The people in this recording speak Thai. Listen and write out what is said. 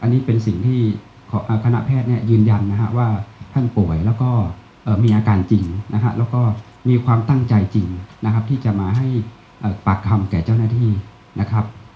อันนี้เป็นสิ่งที่คณะแพทย์เนี่ยยืนยันนะฮะว่าท่านป่วยแล้วก็มีอาการจริงนะฮะแล้วก็มีความตั้งใจจริงนะครับที่จะมาให้ปากคำแก่เจ้าหน้าที่นะครับ